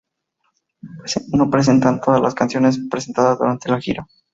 No representan todas las canciones presentadas durante la gira.